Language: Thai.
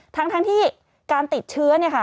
ทั้งที่การติดเชื้อเนี่ยค่ะ